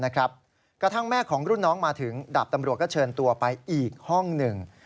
กระทั่งแม่ของรุ่นน้องมาถึงดาบตำรวจก็เชิญตัวไปอีกห้องหนึ่ง